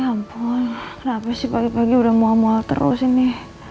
ya ampun kenapa pagi pagi sudah mau amal terus ini